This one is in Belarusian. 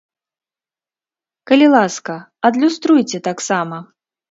Калі ласка, адлюструйце таксама!